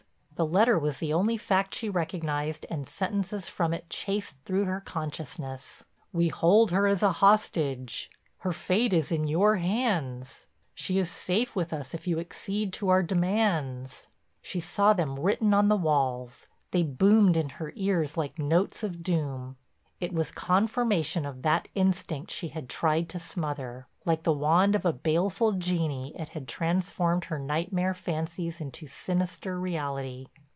The letter was the only fact she recognized and sentences from it chased through her consciousness: "We hold her as a hostage, her fate is in your hands. She is safe with us if you accede to our demands." She saw them written on the walls, they boomed in her ears like notes of doom. It was confirmation of that instinct she had tried to smother; like the wand of a baleful genii it had transformed her nightmare fancies into sinister reality.